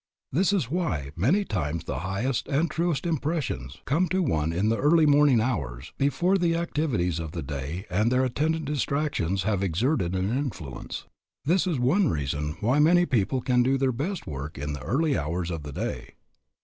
This is why many times the highest and truest impressions come to one in the early morning hours, before the activities of the day and their attendant distractions have exerted an influence. This is one reason why many people can do their best work in the early hours of the day.